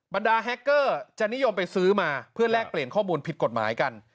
บรรดาแฮคเกอร์จะนิยมไปซื้อมาเพื่อแลกเปลี่ยนข้อมูลผิดกฎหมายกัน